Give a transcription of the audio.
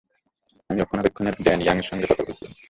আমি রক্ষণাবেক্ষণের Dan Young এর সঙ্গে কথা বলছিলাম।